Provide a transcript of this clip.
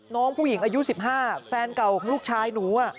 น้องผู้หญิงอายุ๑๕แฟนเก่าของลูกชายหนู